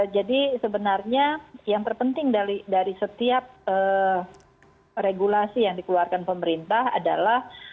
jadi sebenarnya yang terpenting dari setiap regulasi yang dikeluarkan pemerintah adalah